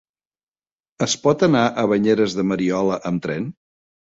Es pot anar a Banyeres de Mariola amb tren?